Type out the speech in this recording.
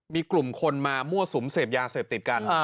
มีกลุ่มคนมามั่วสุมเสพยาเสพติดกัน